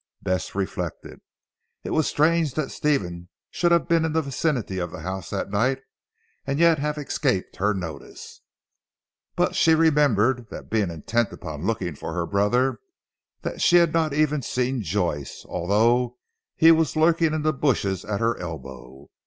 Bess reflected. It was strange that Stephen should have been in the vicinity of the house on that night and yet have escaped her notice. But she remembered that being intent upon looking for her brother that she had not even seen Joyce, although he was lurking in the bushes at her elbow.